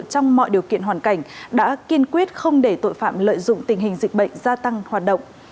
trong mọi điều kiện hoàn cảnh đã kiên quyết không để tội phạm lợi dụng tình hình dịch bệnh gia tăng hoạt động